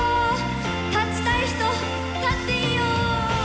立ちたい人、立っていいよ！